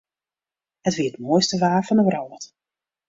It wie it moaiste waar fan de wrâld.